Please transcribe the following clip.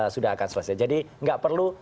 sudah akan selesai jadi nggak perlu